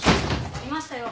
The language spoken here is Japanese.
いましたよ。